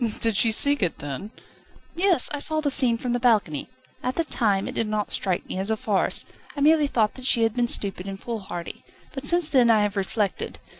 "Did she seek it, then?" "Yes; I saw the scene from the balcony. At the time it did not strike me as a farce. I merely thought that she had been stupid and foolhardy. But since then I have reflected.